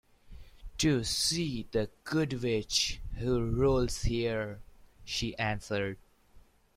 "To see the Good Witch who rules here," she answered.